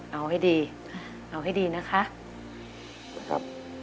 เอาไว้ดีนะฮะ